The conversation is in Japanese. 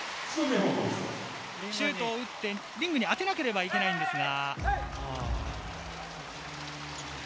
シュートを打ってリングに当てなければいけないんですが。